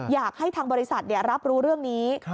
อยากให้ทางบริษัทรับรู้เรื่องนี้